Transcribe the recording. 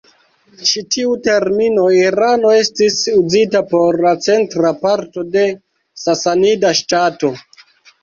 Ĉi tiu termino "Irano" estis uzita por la centra parto de Sasanida ŝtato.